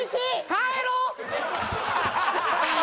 帰ろう！